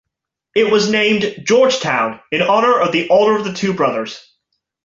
It was named "Georgetown" in honor of the older of the two brothers.